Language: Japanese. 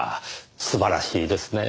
素晴らしいですねぇ。